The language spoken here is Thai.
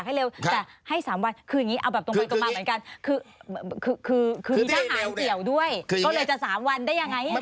ก็เลยจะสามวันได้ยังไง